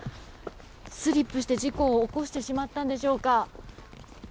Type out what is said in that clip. スリップして、事故を起こしてしまったんでしょうか。